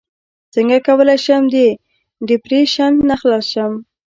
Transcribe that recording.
څنګه کولی شم د ډیپریشن نه خلاص شم